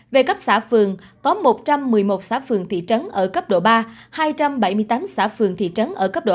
về cấp xã phường có một trăm một mươi một xã phường thị trấn ở cấp độ ba hai trăm bảy mươi tám xã phường thị trấn ở cấp độ hai